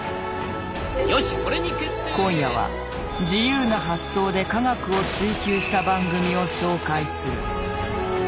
今夜は自由な発想で科学を追究した番組を紹介する。